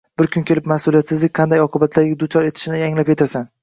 bir kun kelib mas’uliyatsizlik qanday oqibatlarga duchor etishini anglab yetasan.